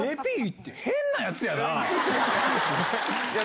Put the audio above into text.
ＪＰって変なやつやな。